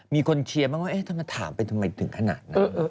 มีคนเชียร์บ้างว่าถ้ามาถามไปทำไมถึงขนาดนั้น